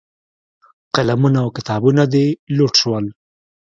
قلمونه او کتابونه دې لوټ شول.